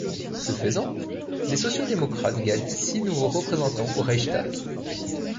Ce faisant, les sociaux-démocrates gagnent six nouveaux représentants au Reichstag.